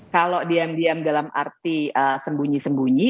kalau diam diam dalam arti sembunyi sembunyi